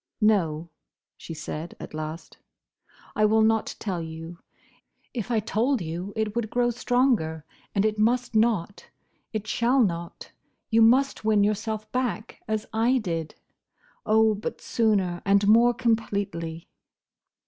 "No," she said, at last, "I will not tell you. If I told you it would grow stronger; and it must not. It shall not. You must win yourself back, as I did. Oh! but sooner, and more completely!"